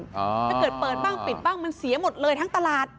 ถ้าเกิดเปิดบ้างปิดบ้างมันเสียหมดเลยทั้งตลาด